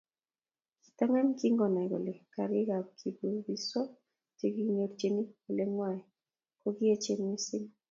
Kitangany kingonai kole gorikab kibubiswa chekikinyorchin olingwai kokiechen missing